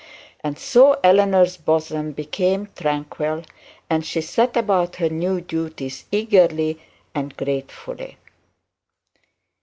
And so Eleanor's bosom became tranquil, and she set about her new duties eagerly and gratefully.